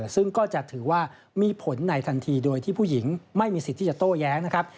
ซึ่งก็จะถือว่ามีผลในทันทีโดยที่ผู้หญิงไม่มีสิทธิ์ที่จะโต้แย้งนะครับ